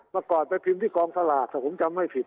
เมื่อก่อนไปพิมพ์ที่กองสลากถ้าผมจำไม่ผิด